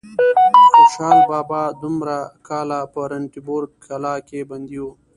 خوشحال بابا دومره کاله په رنتبور کلا کې بندي و.